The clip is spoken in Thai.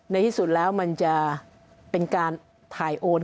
ในที่สุดแล้วมันจะเป็นการถ่ายโอน